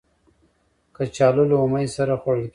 کچالو له امید سره خوړل کېږي